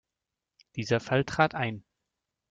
Dieser Fall trat ein.